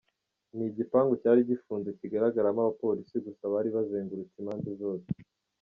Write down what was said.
Ni igipangu cyari gifunze kigaragamo abapolisi gusa bari bazengurutse impande zose.